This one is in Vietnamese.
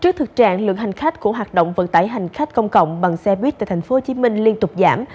trước thực trạng lượng hành khách của hoạt động vận tải hành khách công cộng bằng xe buýt tại tp hcm liên tục giảm